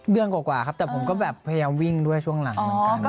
เดือนกว่าครับแต่ผมก็แบบพยายามวิ่งด้วยช่วงหลังเหมือนกัน